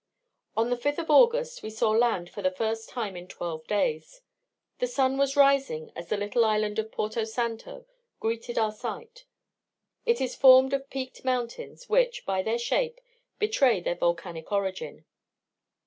On the 5th of August we saw land for the first time for twelve days. The sun was rising as the little island of Porto Santo greeted our sight. It is formed of peaked mountains, which, by their shape, betray their volcanic origin.